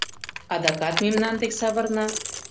Адакат мемнан дек савырна.